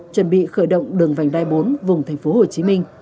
chuẩn bị khởi động đường vành đai bốn vùng thành phố hồ chí minh